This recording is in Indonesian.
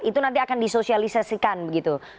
itu nanti akan disosialisasikan begitu